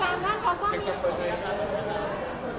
ตาม่านของก้อนแบบนี้